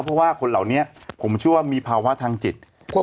เพราะว่าคนเหล่านี้ผมเชื่อว่ามีภาวะทางจิต